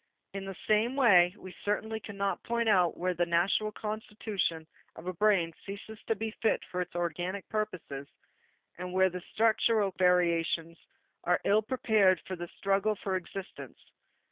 In the same way, we certainly cannot point out where the natural constitution of a brain ceases to be fit for its organic purposes and where the structural variations are ill prepared for the struggle for existence.